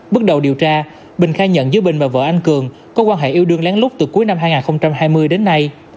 bước đầu điều tra bình khai nhận giữa bình và vợ anh cường có quan hệ yêu đương lén lút từ cuối năm hai nghìn hai mươi đến nay